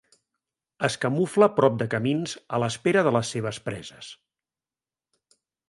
Es camufla prop de camins a l'espera de les seves preses.